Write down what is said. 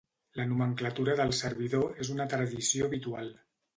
La nomenclatura del servidor és una tradició habitual.